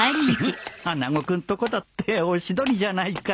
穴子君とこだってオシドリじゃないか